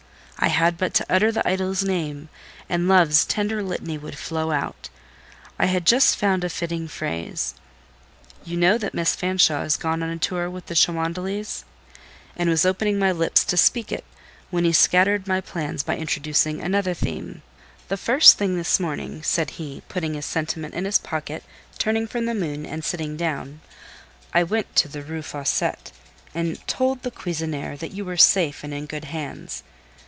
I had but to utter the idol's name, and love's tender litany would flow out. I had just found a fitting phrase, "You know that Miss Fanshawe is gone on a tour with the Cholmondeleys," and was opening my lips to speak to it, when he scattered my plans by introducing another theme. "The first thing this morning," said he, putting his sentiment in his pocket, turning from the moon, and sitting down, "I went to the Rue Fossette, and told the cuisinière that you were safe and in good hands.